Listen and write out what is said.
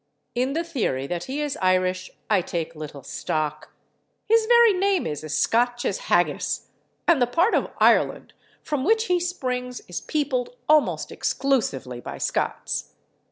In the theory that he is Irish I take little stock. His very name is as Scotch as haggis, and the part of Ireland from which he springs is peopled almost exclusively by Scots.